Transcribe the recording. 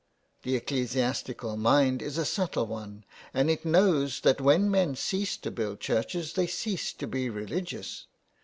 The ecclesiastical mind is a subtle one and it knows that when men cease to build churches they cease to be religious.